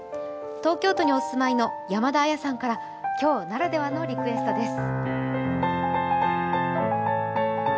東京都にお住まいのやまだあやさんから今日ならではのリクエストです。